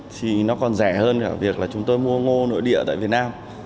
thì nó còn rẻ hơn cả việc là chúng tôi mua ngô nội địa tại việt nam